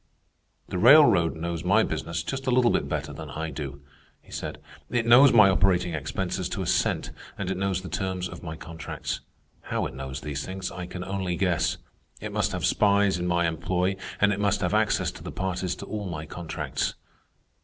"The railroad knows my business just a little bit better than I do," he said. "It knows my operating expenses to a cent, and it knows the terms of my contracts. How it knows these things I can only guess. It must have spies in my employ, and it must have access to the parties to all my contracts.